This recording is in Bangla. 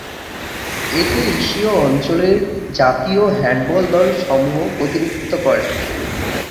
এতে এশীয় অঞ্চলের জাতীয় হ্যান্ডবল দল সমূহ প্রতিনিধিত্ব করে।